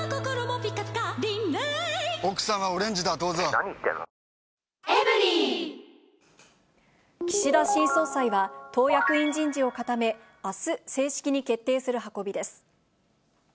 マスクが議場にあるので、岸田新総裁は、党役員人事を固め、あす、正式に決定する運びです。